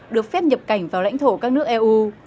được phép nhập cảnh vào lãnh thổ các nước eu